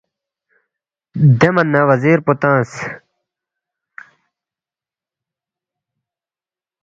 دے من نہ وزیر پو تنگس